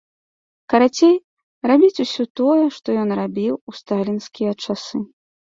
Карацей, рабіць усё тое, што ён рабіў у сталінскія часы.